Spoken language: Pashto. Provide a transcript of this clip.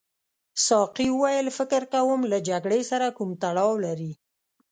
ساقي وویل فکر کوم له جګړې سره کوم تړاو لري.